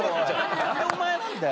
なんでお前なんだよ！